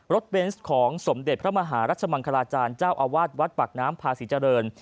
เบนส์ของสมเด็จพระมหารัชมังคลาจารย์เจ้าอาวาสวัดปากน้ำพาศรีเจริญ